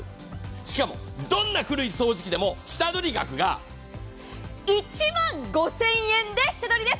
しかもどんな古い掃除機でも下取り額が１万５０００円で下取りです。